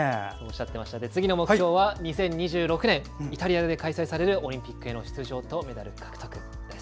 次の目標は２０２６年イタリアで開催されるオリンピックへの出場とメダル獲得です。